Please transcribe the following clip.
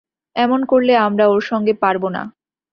এমন করলে আমরা ওর সঙ্গে পারব না।